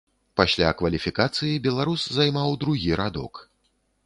Пасля кваліфікацыі беларус займаў другі радок.